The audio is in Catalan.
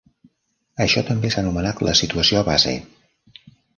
Això també s'ha anomenat la "situació base".